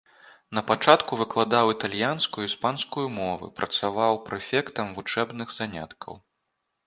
Напачатку выкладаў італьянскую і іспанскую мовы, працаваў прэфектам вучэбных заняткаў.